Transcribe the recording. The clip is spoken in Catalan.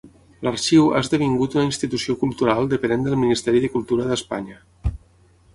L'arxiu ha esdevingut una institució cultural depenent del Ministeri de Cultura d'Espanya.